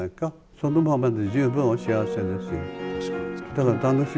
そのままで十分お幸せですよ。